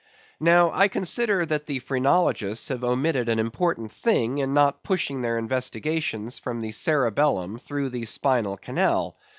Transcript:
Now, I consider that the phrenologists have omitted an important thing in not pushing their investigations from the cerebellum through the spinal canal.